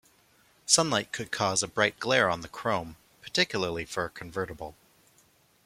Sunlight could cause a bright glare on the chrome, particularly for a convertible.